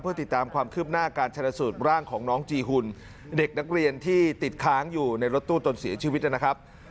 เพื่อติดตามความคืบหน้าการชนะสูตรร่างของน้องจีหุ่นเด็กนักเรียนที่ติดค้างอยู่ในรถตู้จนเสียชีวิตนะครับ